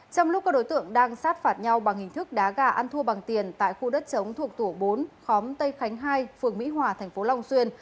trong lúc các đối tượng đang sát phạt nhau bằng hình thức đá gà ăn thua bằng tiền tại khu đất chống thuộc tổ bốn khóm tây khánh hai phường mỹ hòa thành phố long xuyên